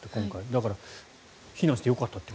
だから避難してよかったと。